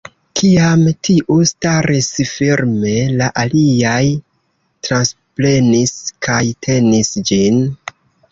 Kiam tiu staris firme, la aliaj transprenis kaj tenis ĝin.